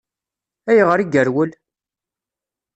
Ayɣer i yerwel?